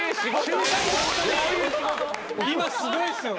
今すごいですよ。